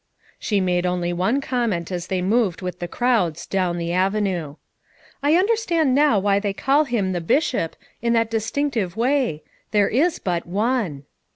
She made only one comment as they moved with the crowds down the avenue. "I under stand now why they call him 'The Bishop' in that distinctive way; there is but one."